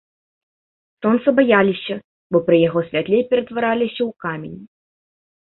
Сонца баяліся, бо пры яго святле ператвараліся ў камень.